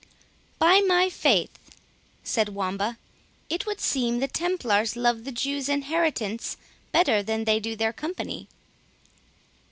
"By my faith," said Wamba, "it would seem the Templars love the Jews' inheritance better than they do their company."